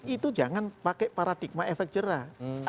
itu jangan pakai paradigma efek jerah